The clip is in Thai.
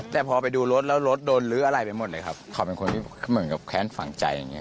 แต่พอไปดูรถแล้วรถโดนลื้ออะไรไปหมดเลยครับเขาเป็นคนที่เหมือนกับแค้นฝังใจอย่างเงี